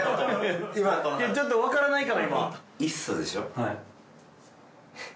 ちょっと分からないから今。